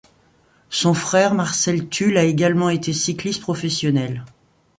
Son frère Marcel Thull a également été cycliste professionnel.